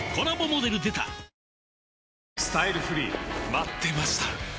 待ってました！